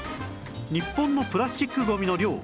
日本のプラスチックゴミの量